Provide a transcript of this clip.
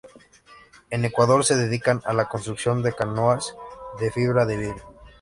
En Ecuador, se dedican a la construcción de canoas de fibra de vidrio.